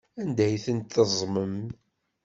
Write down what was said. Anda ay tent-teẓẓmem?